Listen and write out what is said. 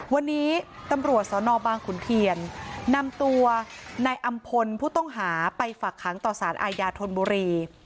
วันนี้ตำรวจสนบางขุนเทียนนำตัวนายอำพลผู้ต้องหาไปฝักขังต่อสารอาญาธนบุรี